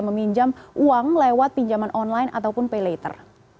meminjam uang lewat pinjaman online ataupun pay later